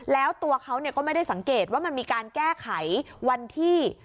แล้วตัวเขาก็ไม่ได้สังเกตว่ามันมีการแก้ไขวันที่